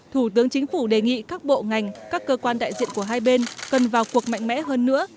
thủ tướng chính phủ đề nghị các bộ ngành các cơ quan đại diện của hai bên cần vào cuộc mạnh mẽ hơn nữa